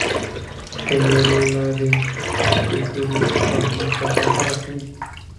د مېلو له لاري د کلتوري تفاهم فضا پراخېږي.